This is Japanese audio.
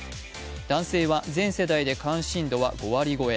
男性は全世代で関心度は５割超え。